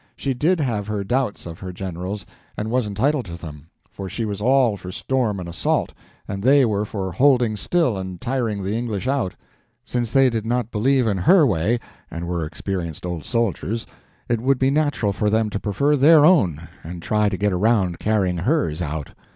She did have her doubts of her generals, and was entitled to them, for she was all for storm and assault, and they were for holding still and tiring the English out. Since they did not believe in her way and were experienced old soldiers, it would be natural for them to prefer their own and try to get around carrying hers out.